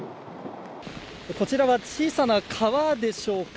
こちらは小さな川でしょうか。